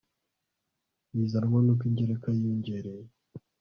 bizanwa n'uko ingereka yiyongereye